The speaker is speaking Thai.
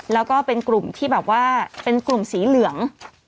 แล้วก็เป็นกลุ่มที่แบบว่าเป็นกลุ่มสีเหลือง